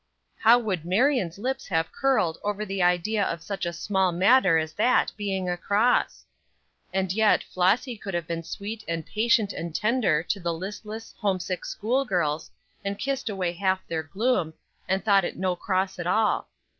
How would Marion's lips have curled over the idea of such a small matter as that being a cross! And yet Flossy could have been sweet and patient and tender to the listless, homesick school girls, and kissed away half their gloom, and thought it no cross at all.